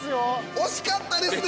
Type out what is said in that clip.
惜しかったですね！